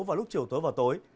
vào lúc chiều tối và tối